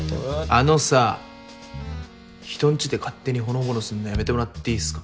あのさ人んちで勝手にほのぼのすんのやめてもらっていいっすか？